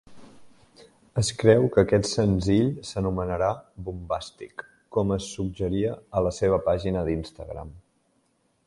Es creu que aquest senzill s'anomenarà "Bombastic" com es suggeria a la seva pàgina d'Instagram.